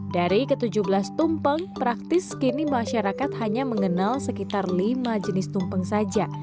dari ke tujuh belas tumpeng praktis kini masyarakat hanya mengenal sekitar lima jenis tumpeng saja